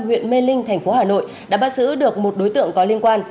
huyện mê linh thành phố hà nội đã bắt giữ được một đối tượng có liên quan